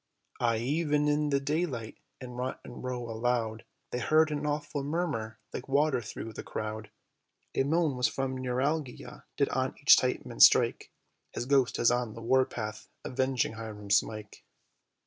Aye, even in the daylight, in Rotten Row, aloud They heard an awful murmur like water thro' the crowd; A moan as from neuralgia did on each tympan strike, "His ghost is on the war path avenging Hiram Smike."